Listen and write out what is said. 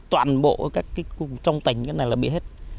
toàn bộ trong tỉnh cái này là bị hết